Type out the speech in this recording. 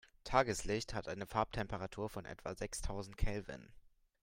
Tageslicht hat eine Farbtemperatur von etwa sechstausend Kelvin.